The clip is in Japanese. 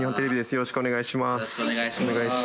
よろしくお願いします。